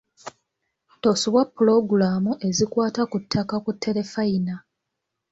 Tosubwa pulogulaamu ezikwata ku ttaka ku tterefayina.